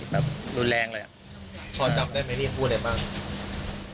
แบบรุนแรงเลยอ่ะพอจับได้ไหมพี่พูดอะไรบ้าง